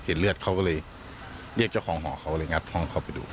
เลือดเขาก็เลยเรียกเจ้าของหอเขาเลยงัดห้องเข้าไปดู